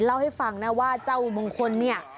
เล่าให้ฟังนะว่าเจ้ามงคลเนี่ย